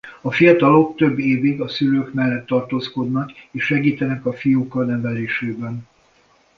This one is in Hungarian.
A fiatalok több évig a szülők mellett tartózkodnak és segítenek a fióka nevelésben.